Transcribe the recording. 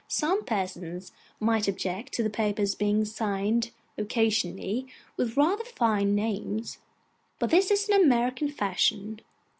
Some persons might object to the papers being signed occasionally with rather fine names, but this is an American fashion.